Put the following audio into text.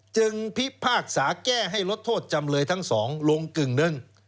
พิพากษาแก้ให้ลดโทษจำเลยทั้งสองลงกึ่งหนึ่ง